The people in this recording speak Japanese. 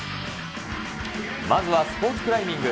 まずはスポーツクライミング。